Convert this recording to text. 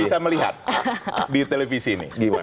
bisa melihat di televisi ini gimana